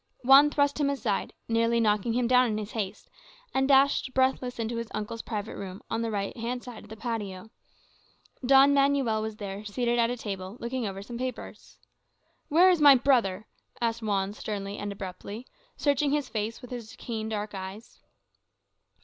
Juan thrust him aside, nearly knocking him down in his haste, and dashed breathless into his uncle's private room, on the right hand side of the patio. Don Manuel was there, seated at a table, looking over some papers. "Where is my brother?" asked Juan sternly and abruptly, searching his face with his keen dark eyes.